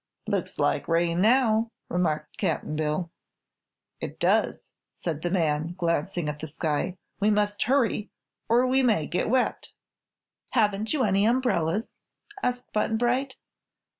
"Looks like rain now," remarked Cap'n Bill. "It does," said the man, glancing at the sky. "We must hurry, or we may get wet." "Haven't you any umbrellas?" asked Button Bright.